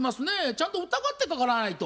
ちゃんと疑ってかからないと。